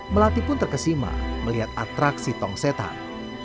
melati pun terkesima melihat atraksi tong setan